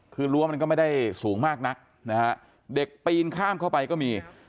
คือรั้วมันก็ไม่ได้สูงมากนักนะฮะเด็กปีนข้ามเข้าไปก็มี